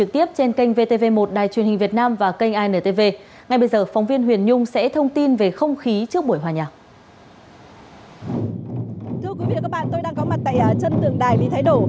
thưa quý vị và các bạn tôi đang có mặt tại chân tường đài lý thái đổ